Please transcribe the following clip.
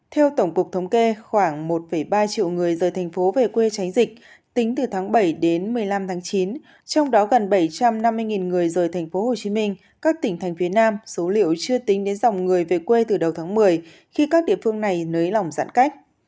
theo tổng cục thống kê khoảng một ba triệu người rời thành phố về quê tránh dịch tính từ tháng bảy đến một mươi năm tháng chín trong đó gần bảy trăm năm mươi người rời tp hcm các tỉnh thành phía nam số liệu chưa tính đến dòng người về quê từ đầu tháng một mươi khi các địa phương này nới lỏng giãn cách